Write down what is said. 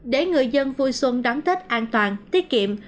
để người dân vui xuân đón tết an toàn tiết kiệm